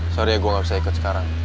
sorry ya gue gak bisa ikut sekarang